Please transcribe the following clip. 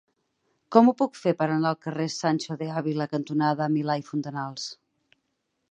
Com ho puc fer per anar al carrer Sancho de Ávila cantonada Milà i Fontanals?